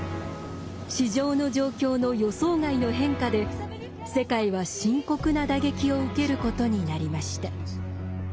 市場の状況の予想外の変化で世界は深刻な打撃を受けることになりました。